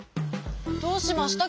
どうしました？